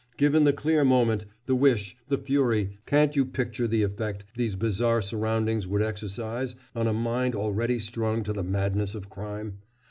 Given the clear moment, the wish, the fury, can't you picture the effect these bizarre surroundings would exercise on a mind already strung to the madness of crime?